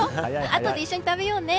あとで一緒に食べようね。